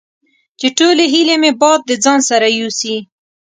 چې ټولې هیلې مې باد د ځان سره یوسي